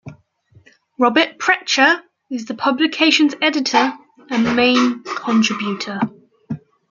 Robert Prechter is the publication's editor and main contributor.